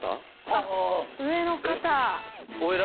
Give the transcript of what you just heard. あっ上の方。